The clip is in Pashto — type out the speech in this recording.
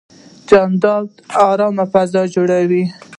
جانداد د ارام فضا جوړوي.